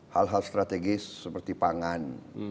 hal hal strategis seperti pangan